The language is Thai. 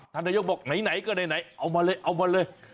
ท่านนายกบอกไหนก็ได้เอามาเลย